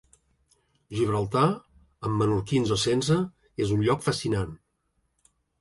Gibraltar, amb menorquins o sense, és un lloc fascinant.